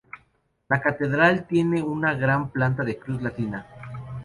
La catedral tiene una gran planta de cruz latina.